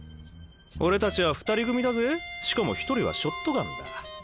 俺たちは２人組だぜしかも１人はショットガンだ。